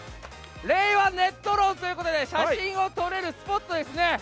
「令和ネット論」ということで写真を撮れるスポットですね。